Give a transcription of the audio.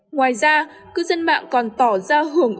ngoài ra cư dân mạng còn tỏ ra hưởng ứng